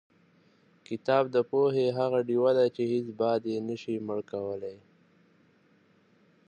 کتاب د پوهې هغه ډیوه ده چې هېڅ باد یې نشي مړ کولی.